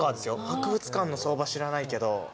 博物館の相場知らないけど。